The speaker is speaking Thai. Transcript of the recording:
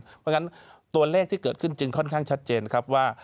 เพราะฉะนั้นตัวเลขที่เกิดขึ้นจึงค่อนข้างชัดเจนครับว่า